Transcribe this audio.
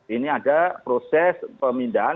ini ada proses pemindahan